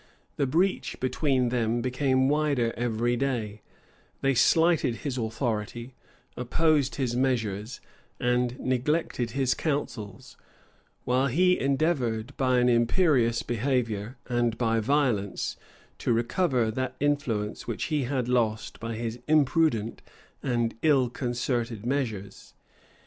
The breach between them became wider every day: they slighted his authority, opposed his measures, and neglected his counsels; while he endeavored by an imperious behavior, and by violence, to recover that influence which he had lost by his imprudent and ill concerted measures.